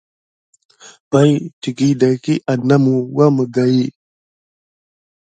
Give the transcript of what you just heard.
Pay dakiy aname da awure kisi arneba.